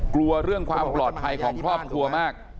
กลัวเรื่องความปลอดภัยของครอบครัวมาก